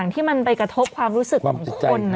ที่มันไปกระทบความรู้สึกของทุกคน